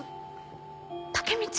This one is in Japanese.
タケミチ